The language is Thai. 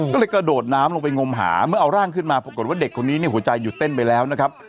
ก็เลยกระโดดน้ำลงไปงมหาเมื่อเอาร่างขึ้นมาปรากฏว่าเด็กคนนี้เนี่ยหัวใจหยุดเต้นไปแล้วนะครับ